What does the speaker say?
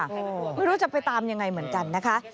ไม่รู้จะไปตามยังไงเหมือนกันนะคะ